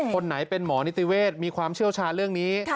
คนไหนเป็นหมอนิติเวศมีความเชี่ยวชาญเรื่องนี้